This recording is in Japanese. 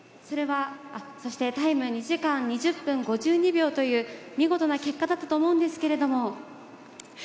そして、タイム２時間２０分５２秒という見事な結果だったと思うんですけれども。